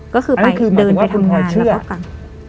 ก็คือไปเดินไปทำงานแล้วก็กลับ